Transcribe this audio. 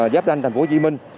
giáp ranh tp hcm